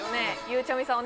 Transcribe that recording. ゆうちゃみさん